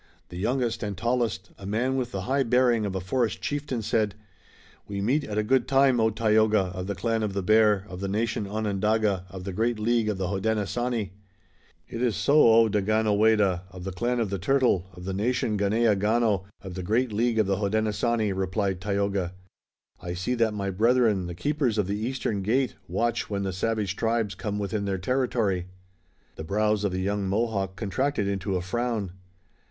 The youngest and tallest, a man with the high bearing of a forest chieftain, said: "We meet at a good time, O Tayoga, of the clan of the Bear, of the nation Onondaga, of the great League of the Hodenosaunee." "It is so, O Daganoweda, of the clan of the Turtle, of the nation Ganeagaono, of the great League of the Hodenosaunee," replied Tayoga. "I see that my brethren, the Keepers of the Eastern Gate, watch when the savage tribes come within their territory." The brows of the young Mohawk contracted into a frown.